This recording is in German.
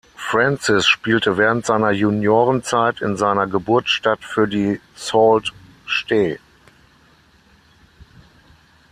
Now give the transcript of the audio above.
Francis spielte während seiner Juniorenzeit in seiner Geburtsstadt für die Sault Ste.